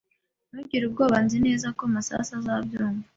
Ntugire ubwoba. Nzi neza ko Masasu azabyumva.